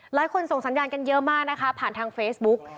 หลายคนส่งสัญญาณกันเยอะมากผ่านทางเฟซบุ๊ก